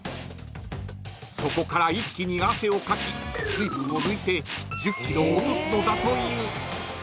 そこから一気に汗をかき水分を抜いて１０ｋｇ落とすのだという］